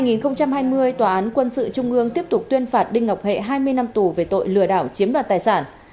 năm hai nghìn hai mươi tòa án quân sự trung ương tiếp tục tuyên phạt đinh ngọc hệ hai mươi năm tù về tội lừa đảo chiếm đoạt tài sản